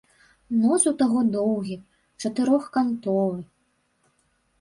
Нос у таго доўгі, чатырохкантовы.